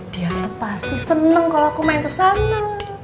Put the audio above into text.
dia pasti seneng kalau aku main ke sana